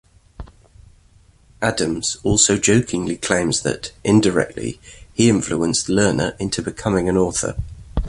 Adams also jokingly claims that, indirectly, he influenced Lerner into becoming an author.